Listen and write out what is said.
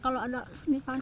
kalau ada misalnya